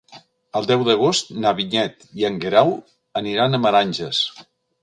El deu d'agost na Vinyet i en Guerau aniran a Meranges.